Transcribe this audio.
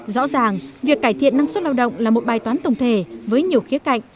rõ ràng việc cải thiện năng suất lao động là một bài toán tổng thể với nhiều khía cạnh